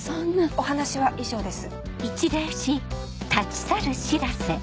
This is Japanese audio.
お話は以上です。